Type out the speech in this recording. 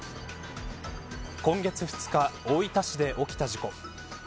今月２日、大分市で起きた事故。